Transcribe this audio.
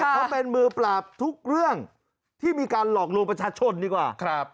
เขาเป็นมือปราบทุกเรื่องที่มีการหลอกลวงประชาชนดีกว่า